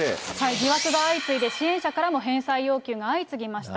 疑惑が相次いで、支援者からも返済要求が相次ぎました。